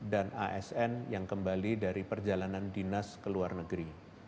dan asn yang kembali dari perjalanan dinas ke luar negeri